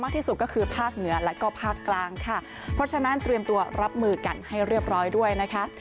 ที่สุดก็คือภาคเหนือแล้วก็ภาคกลางค่ะเพราะฉะนั้นเตรียมตัวรับมือกันให้เรียบร้อยด้วยนะคะ